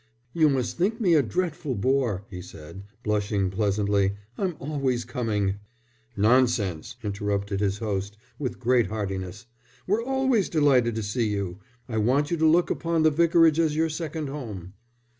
"You must think me a dreadful bore," he said, blushing pleasantly, "I'm always coming." "Nonsense!" interrupted his host, with great heartiness. "We're always delighted to see you. I want you to look upon the Vicarage as your second home."